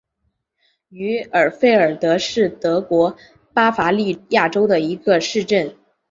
于尔费尔德是德国巴伐利亚州的一个市镇。